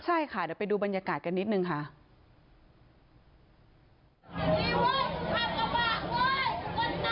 ใช่ค่ะเดี๋ยวไปดูบรรยากาศกันนิดนึงค่ะ